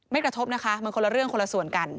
กระทบนะคะมันคนละเรื่องคนละส่วนกัน